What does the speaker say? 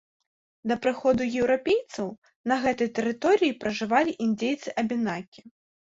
Да прыходу еўрапейцаў на гэтай тэрыторыі пражывалі індзейцы-абенакі.